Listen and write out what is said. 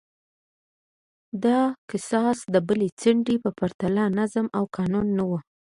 د کاساس د بلې څنډې په پرتله نظم او قانون نه و